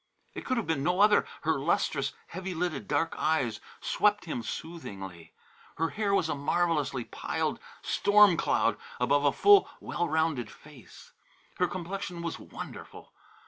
It could have been no other; her lustrous, heavy lidded dark eyes swept him soothingly. Her hair was a marvellously piled storm cloud above a full, well rounded face. Her complexion was wonderful.